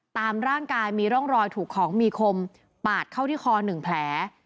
ตามร่างกายมีร่องรอยถูกของมีคมปาดเข้าที่คอ๑แผล